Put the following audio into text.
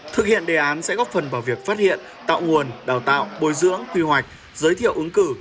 thực hiện đề án sẽ góp phần vào việc phát hiện tạo nguồn đào tạo bồi dưỡng quy hoạch giới thiệu ứng cử